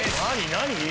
何？